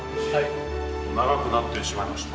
長くなってしまいました。